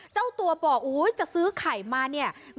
เจ้าตัวบอกจะซื้อไข่มาเนี่ย